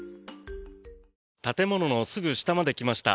建物のすぐ下まで来ました。